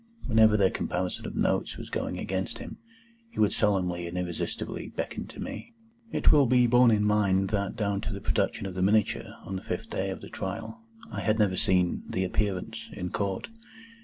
Whenever their comparison of notes was going against him, he would solemnly and irresistibly beckon to me. It will be borne in mind that down to the production of the miniature, on the fifth day of the trial, I had never seen the Appearance in Court.